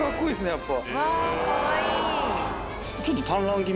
やっぱ。